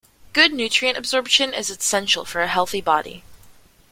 Good nutrient absorption is essential for a healthy body.